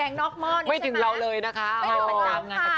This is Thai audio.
แกงนอกหม้อไม่ถึงเราเลยนะคะ